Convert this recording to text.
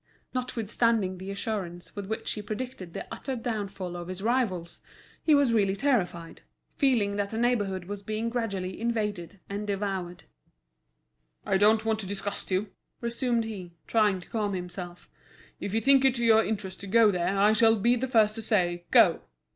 Notwithstanding the assurance with which he predicted the utter downfall of his rivals, he was really terrified, feeling that the neighbourhood was being gradually invaded and devoured. "I don't want to disgust you," resumed he, trying to calm himself; "if you think it to your interest to go there, I shall be the first to say, 'go.'"